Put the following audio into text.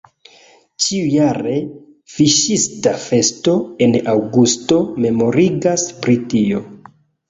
Ĉiujare fiŝista festo en aŭgusto memorigas pri tio.